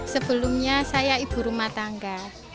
sebelumnya saya ibu rumah tangga